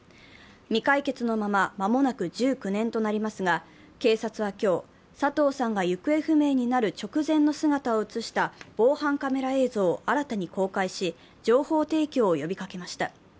未解決のまま間もなく１９年となりますが、警察は今日、佐藤さんが行方不明になる直前の姿を映した防犯カメラ映像を新たに公開し、情報提供を呼びかけました。